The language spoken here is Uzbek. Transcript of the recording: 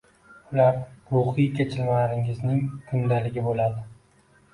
Ular ruhiy kechinmalaringizning kundaligi bo’ladi.